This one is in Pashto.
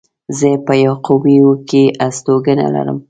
زه په يعقوبيو کې هستوګنه لرم.